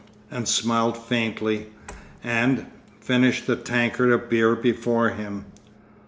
_' and smiled faintly, and—finished the tankard of beer before him.